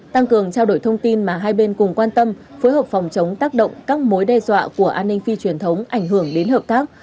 tăng cường trao đổi thông tin mà hai bên cùng quan tâm phối hợp phòng chống tác động các mối đe dọa của an ninh phi truyền thống ảnh hưởng đến hợp tác